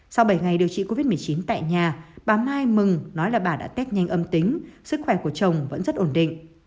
sau bảy ngày điều trị covid một mươi chín tại nhà bà mai mừng nói là bà đã test nhanh âm tính sức khỏe của chồng vẫn rất ổn định